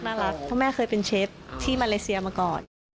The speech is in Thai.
น่ารักเพราะแม่เคยเป็นเชฟที่มาเลเซียมาก่อน